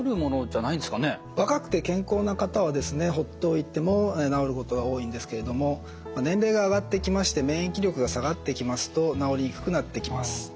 若くて健康な方はほっといても治ることが多いんですけれども年齢が上がっていきまして免疫力が下がっていきますと治りにくくなってきます。